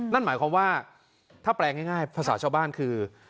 นั่นหมายความว่าถ้าแปลงง่ายภาษาชาวบ้านคือ